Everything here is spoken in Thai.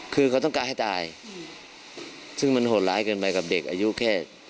คือเขาต้องการให้ตายซึ่งมันโหดร้ายเกินไปกับเด็กอายุแค่